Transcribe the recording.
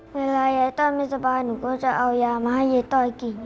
เวลาเย้ต้นไม่สบายหนูก็จะเอายามาให้เย้ต้อยกิน